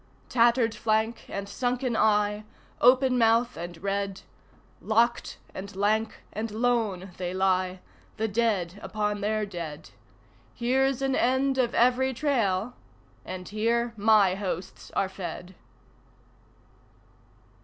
Tattered flank and sunken eye, open mouth and red, Locked and lank and lone they lie, the dead upon their dead. Here's an end of every trail and here my hosts are fed.